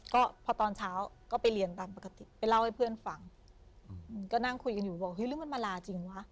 ก็พอตอนเช้าก็ไปเรียนตามปกติไปเล่าให้เพื่อนฟังก็นั่งคุยกันอยู่บอกเฮ้หรือมันมาลาจริงวะ